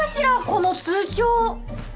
この通帳。